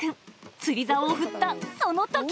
釣りざおを振ったそのとき。